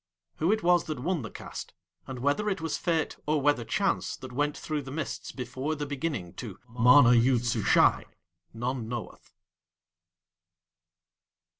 Who it was that won the cast, and whether it was Fate or whether Chance that went through the mists before THE BEGINNING to MANA YOOD SUSHAI _none knoweth.